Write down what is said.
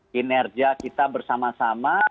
kinerja kita bersama sama